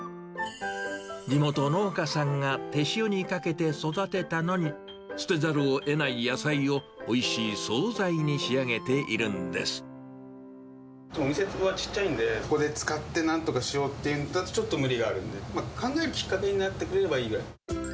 地元農家さんが手塩にかけて育てたのに、捨てざるをえない野菜をおいしい総菜に仕上げているお店はちっちゃいんで、ここで使ってなんとかしようっていうのはちょっと無理があるんで、考えるきっかけになってくれればいいぐらい。